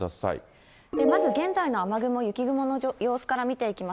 まず現在の雨雲、雪雲の様子から見ていきます。